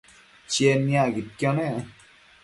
Chied niacquidquio nec